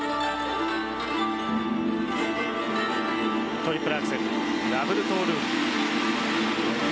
トリプルアクセルダブルトゥループ。